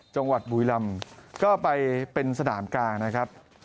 จังหวัดบุวิลำก็ไปเป็นสนามกลางนะครับ